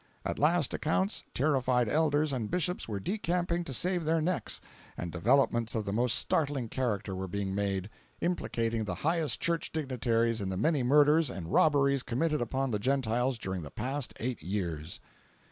At last accounts terrified elders and bishops were decamping to save their necks; and developments of the most starling character were being made, implicating the highest Church dignitaries in the many murders and robberies committed upon the Gentiles during the past eight years."